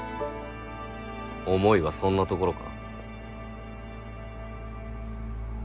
思いはそんなところか。